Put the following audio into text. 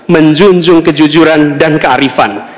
menjunjung kejujuran dan kearifan